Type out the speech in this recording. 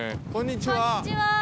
こんにちは。